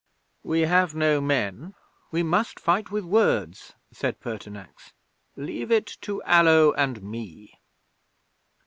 '"We have no men. We must fight with words," said Pertinax. "Leave it to Allo and me."